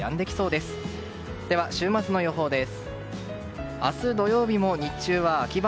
では週末の予報です。